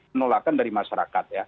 penolakan dari masyarakat